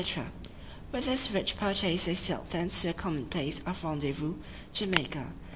With this rich purchase they sailed thence to their common place of rendezvous, Jamaica.